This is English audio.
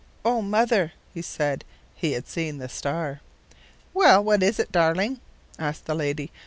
"Oh, mother," he said. He had seen the star. "Well, what is it, darling?" asked the lady.